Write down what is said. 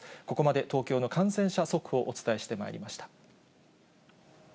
ここまで東京の感染者速報をお伝えしてまいりました。